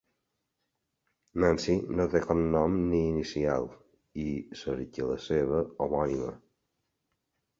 Nancy no té cognom ni inicial i cerca la seva homònima.